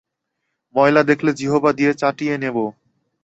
ময়লা দেখলে জিহবা দিয়ে চাটিয়ে নেব।